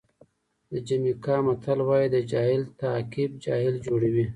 د جمیکا متل وایي د جاهل تعقیب جاهل جوړوي.